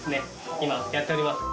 今、やっております。